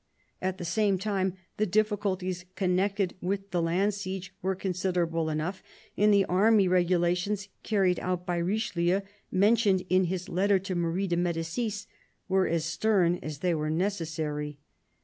At the same time, the difficulties connected with the land siege were considerable enough ; and the army regulations carried out by Richelieu, mentioned in his letter to Marie de Medicis, were as stern as they were necessary.